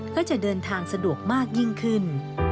ก็จะเดินทางสะดวกมากยิ่งขึ้น